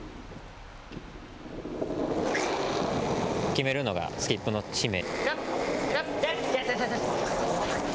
決めるのがスキップの使命。